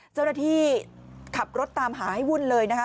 เจ้าหน้าที่ขับรถตามหาให้วุ่นเลยนะคะ